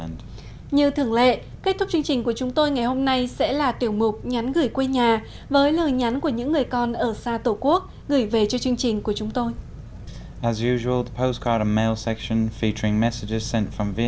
như thường lệ kết thúc chương trình của chúng tôi ngày hôm nay sẽ là tiểu mục nhắn gửi quê nhà với lời nhắn của những người con ở xa tổ quốc gửi về cho chương trình của chúng tôi